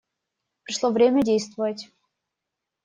Пришло время действовать.